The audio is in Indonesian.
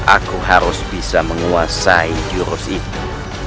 aku harus bisa menguasai jurus itu